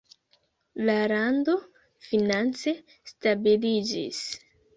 La lando finance stabiliĝis.